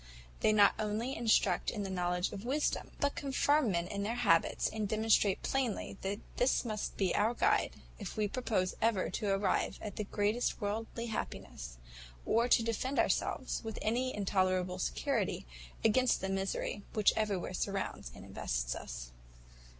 They not only instruct in the knowledge of Wisdom, but confirm men in her habits, and demonstrate plainly, that this must be our guide, if we propose ever to arrive at the greatest worldly happiness, or to defend ourselves, with any tolerable security, against the misery which everywhere surrounds and invests us.